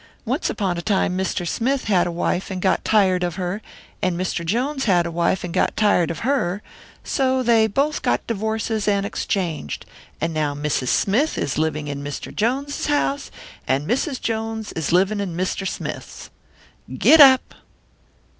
Once upon a time Mr. Smith had a wife and got tired of her, and Mr. Jones had a wife and got tired of her; so they both got divorces and exchanged, and now Mrs. Smith is living in Mr. Jones's house, and Mrs. Jones is living in Mr. Smith's. Giddap!'"